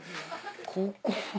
ここ。